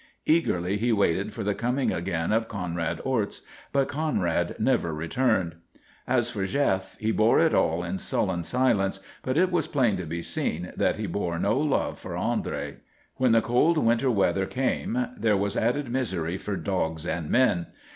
Eagerly he waited for the coming again of Conrad Orts, but Conrad never returned. As for Jef, he bore it all in sullen silence, but it was plain to be seen that he bore no love for André. When the cold winter weather came there was added misery for dogs and men.